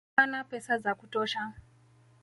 Hana pesa za kutosha